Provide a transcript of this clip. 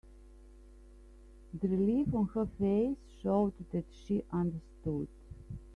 The relief on her face showed that she understood.